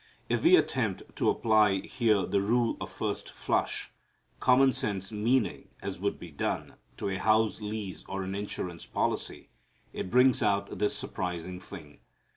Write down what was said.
If we attempt to apply here the rule of first flush, common sense meaning, as would be done to a house lease or an insurance policy, it brings out this surprising thing.